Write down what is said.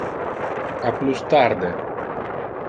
A plus tarde.